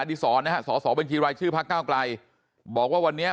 อดีตศเนี้ยศศบนทีรายชื่อภาคเก้าไกลบอกว่าวันนี้